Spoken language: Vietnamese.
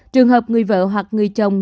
trường hợp người vợ hoặc người chồng